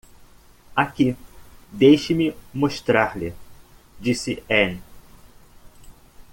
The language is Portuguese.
"Aqui, deixe-me mostrar-lhe", disse Ann.